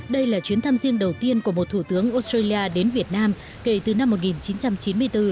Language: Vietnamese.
đây là chuyến thăm riêng đầu tiên của một thủ tướng australia đến việt nam kể từ năm một nghìn chín trăm chín mươi bốn